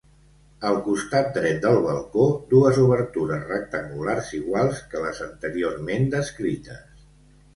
Al costat dret del balcó, dues obertures rectangulars iguals que les anteriorment descrites.